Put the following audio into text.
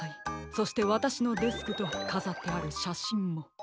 そしてわたしのデスクとかざってあるしゃしんも。